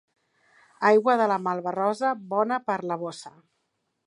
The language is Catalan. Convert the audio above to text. Aigua de la Malva-rosa, bona per la bossa.